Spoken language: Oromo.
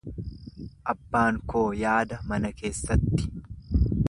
Abbaan koo yaada mana keessatti.